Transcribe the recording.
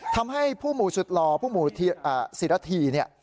ทำให้ผู้หมู่สุดหล่อผู้หมู่ศิรธีเนี่ย